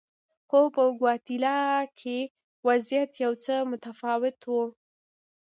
خو په ګواتیلا کې وضعیت یو څه متفاوت و.